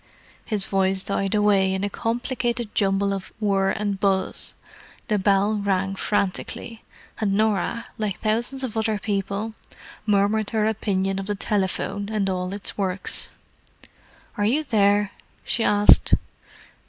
His voice died away in a complicated jumble of whir and buzz, the bell rang frantically, and Norah, like thousands of other people, murmured her opinion of the telephone and all its works. "Are you there?" she asked.